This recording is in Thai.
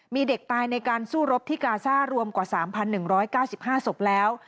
มีเด็กตายในการสู้รบที่กาซ่ารวมกว่า๓๑๙๕ศพแล้ว